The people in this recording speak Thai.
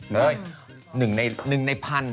เลย๑ใน๑๐๐๐